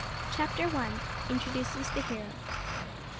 CHAPTER ONE. INTRODUCES THE HERO.